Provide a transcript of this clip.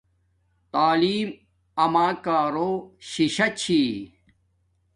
تعلیم اماکارو شی شاہ چھی